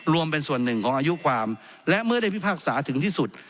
รวมเป็นส่วนหนึ่งของอายุความและเมื่อได้พิพากษาถึงที่สุด